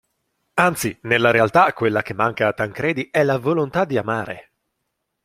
Anzi, nella realtà quella che manca a Tancredi è la volontà di amare.